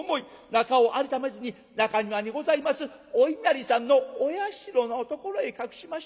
中を改めずに中庭にございますお稲荷さんのお社のところへ隠しました。